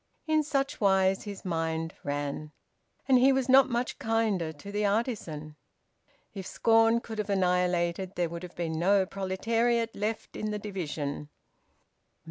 In such wise his mind ran. And he was not much kinder to the artisan. If scorn could have annihilated, there would have been no proletariat left in the division...